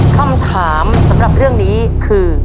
คำถามสำหรับเรื่องนี้คือ